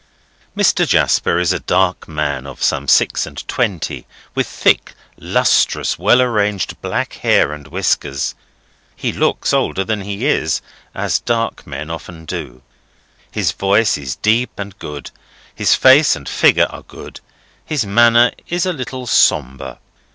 Mr. Jasper is a dark man of some six and twenty, with thick, lustrous, well arranged black hair and whiskers. He looks older than he is, as dark men often do. His voice is deep and good, his face and figure are good, his manner is a little sombre.